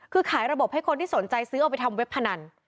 คือขายระบบให้คนที่สนใจซื้อเอาไปทำเว็บพนัน